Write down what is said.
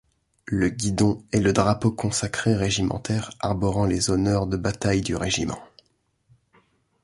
Le Guidon est le drapeau consacré régimentaire arborant les honneurs de batailles du régiment.